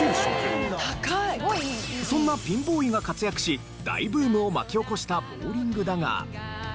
そんなピンボーイが活躍し大ブームを巻き起こしたボウリングだが。